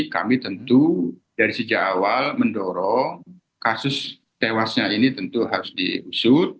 kami tentu dari sejak awal mendorong kasus tewasnya ini tentu harus diusut